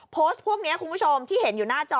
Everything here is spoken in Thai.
โพสต์พวกนี้คุณผู้ชมที่เห็นอยู่หน้าจอ